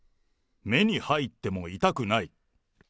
目に入っても痛くない。